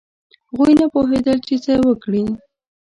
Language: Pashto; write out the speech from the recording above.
هغوی نه پوهېدل چې څه وکړي.